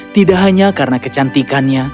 tidak hanya karena kecantikannya